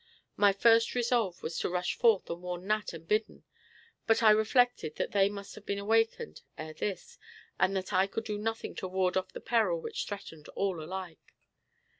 My first resolve was to rush forth and warn Nat and Biddon; but I reflected that they must have been awakened, ere this, and that I could do nothing to ward off the peril which threatened all alike.